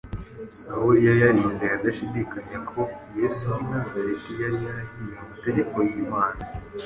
Sawuli yari yarizeye adashidikanya ko Yesu w’i Nazareti yari yarahinyuye amategeko y’Imana